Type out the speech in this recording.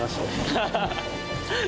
ハハハハ！